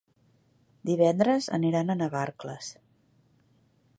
Divendres aniran a Navarcles.